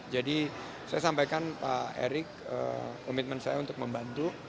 jadi saya sampaikan pak erick komitmen saya untuk membantu